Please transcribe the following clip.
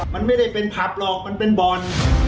มันไม่ได้เป็นผับหรอกมันเป็นบ่อน